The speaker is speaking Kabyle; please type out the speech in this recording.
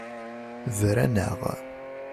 Bran-aɣ.